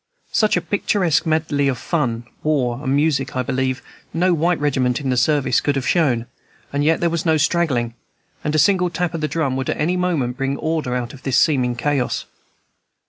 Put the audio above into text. Such a picturesque medley of fun, war, and music I believe no white regiment in the service could have shown; and yet there was no straggling, and a single tap of the drum would at any moment bring order out of this seeming chaos.